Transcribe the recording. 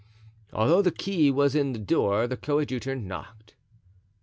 Although the key was in the door the coadjutor knocked.